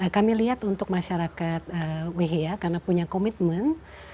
kami lihat untuk masyarakat wehia karena punya komitmen